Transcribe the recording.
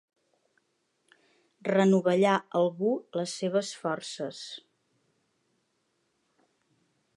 Renovellar algú les seves forces.